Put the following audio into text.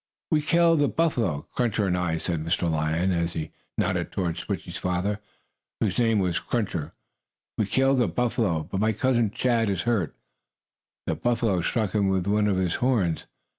"We killed a buffalo, Cruncher and I," said Mr. Lion, as he nodded toward Switchie's father, whose name was Cruncher. "We killed a buffalo, but my cousin, Chaw, is hurt. The buffalo stuck him with one of his horns.